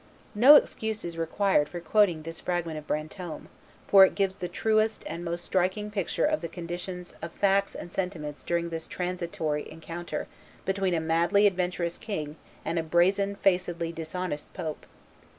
] No excuse is required for quoting this fragment of Brantome; for it gives the truest and most striking picture of the conditions of facts and sentiments during this transitory encounter between a madly adventurous king and a brazen facedly dishonest pope.